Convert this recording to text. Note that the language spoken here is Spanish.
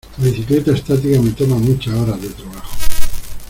La bicicleta estática me toma muchas horas de trabajo.